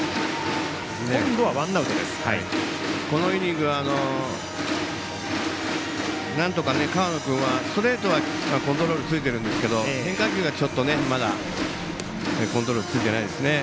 このイニングはなんとか河野君はストレートはコントロールがついているんですけど変化球がちょっとまだコントロールがついてないですね。